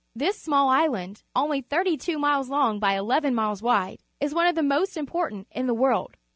This small island, only tliirty two miles long by eleven miles wide, is one of the most important in the world.